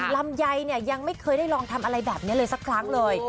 ลำไยเนี่ยยังไม่เคยได้ลองทำอะไรแบบนี้เลยสักครั้งเลย